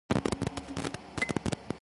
Each board session is divided in two parts.